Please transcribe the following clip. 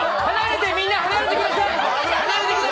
みんな離れてください。